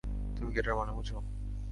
তুমি কি এটার মানে বুঝো?